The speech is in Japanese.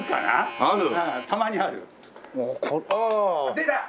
出た！